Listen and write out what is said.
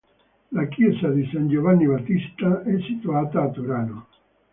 La chiesa di San Giovanni Battista è situata a Turano.